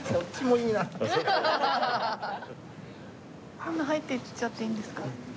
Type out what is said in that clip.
こんな入っていっちゃっていいんですか？